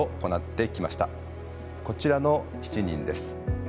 こちらの７人です。